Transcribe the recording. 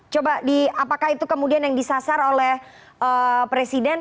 coba di apakah itu kemudian yang disasar oleh presiden